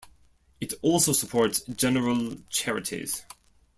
It also supports general charities.